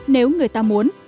nếu người ta muốn